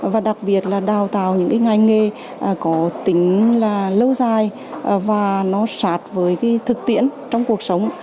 và đặc biệt là đào tạo những ngành nghề có tính là lâu dài và nó sạt với thực tiễn trong cuộc sống